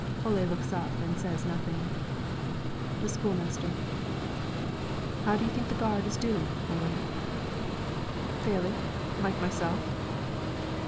Ole looks up and says nothing. The school master: "How do you think the gard is doing, Ole?" "Failing, like myself."